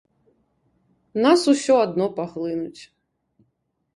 Нас усё адно паглынуць.